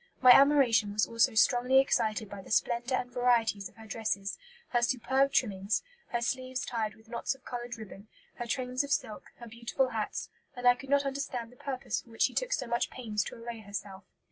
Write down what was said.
My admiration was also strongly excited by the splendour and varieties of her dresses, her superb trimmings, her sleeves tied with knots of coloured ribbon, her trains of silk, her beautiful hats, and I could not understand the purpose for which she took so much pains to array herself."